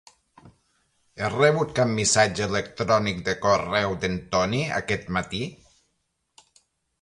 He rebut cap missatge electrònic de correu d'en Toni aquest matí?